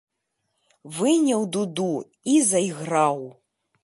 Выняў дуду і зайграў.